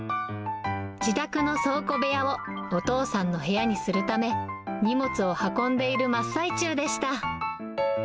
自宅の倉庫部屋を、お父さんの部屋にするため、荷物を運んでいる真っ最中でした。